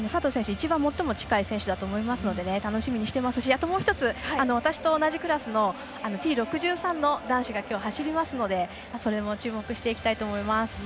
一番、最も近い選手だと思うので楽しみにしていますしもう１つ私と同じクラスのＴ６３の男子がきょう走りますのでそれも注目していきたいと思います。